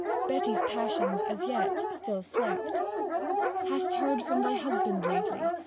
Betty's passions as yet still slept. 'Hast heard from thy husband lately?'